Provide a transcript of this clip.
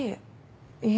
いえ。